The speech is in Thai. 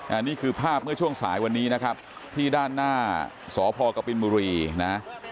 อันนี้คือภาพเมื่อช่วงสายวันนี้นะครับที่ด้านหน้าสพกบินบุรีนะ